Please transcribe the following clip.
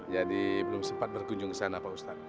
jadi belum sempat berkunjung ke sana pak ustaz